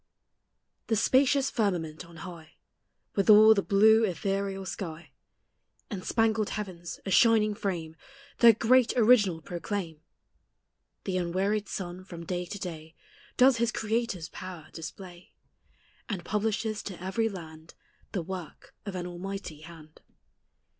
The spacious firmament on high, With all the blue ethereal sky, And spangled heavens, a shining frame, Their great Original proclaim; The unwearied sun, from day to day, Does his Creator's power display, And publishes to every land The work of an Almighty hand.